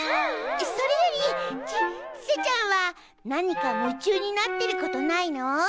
それよりちちせちゃんは何かむ中になってることないの？